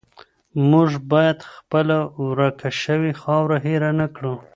موږ باید خپله ورکه شوې خاوره هیره نه کړو.